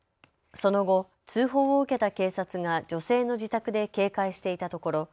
その後、通報を受けた警察が女性の自宅で警戒していたところ